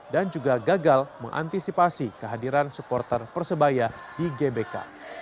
dan juga gagal mengantisipasi kehadiran supporter persebaya di gbk